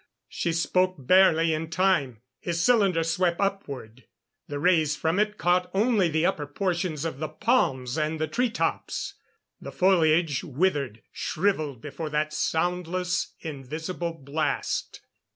She spoke barely in time. His cylinder swept upward. The rays from it caught only the upper portions of the palms and the tree tops. The foliage withered, shriveled before that soundless, invisible blast.